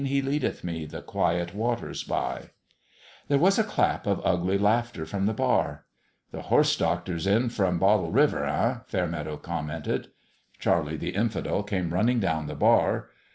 He leadeth me The quiet waters by." 300 A MIRACLE at PALE PETER'S There was a clap of ugly laughter from the bar. "The Horse Doctor's in from Bottle River, eh ?" Fairmeadow commented. Charlie the Infidel came running down the bar.